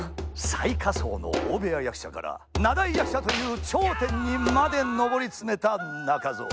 最下層の大部屋役者から名題役者という頂点にまで登り詰めた中蔵。